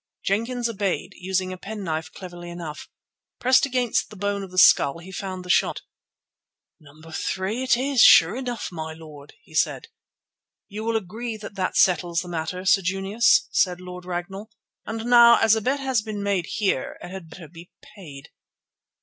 Jenkins obeyed, using a penknife cleverly enough. Pressed against the bone of the skull he found the shot. "No. 3 it is, sure enough, my lord," he said. "You will agree that settles the matter, Sir Junius," said Lord Ragnall. "And now, as a bet has been made here it had better be paid."